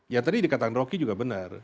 ya tadi dikatakan rocky juga benar